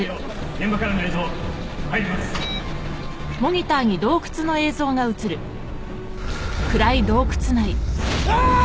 現場からの映像入りますあーっ！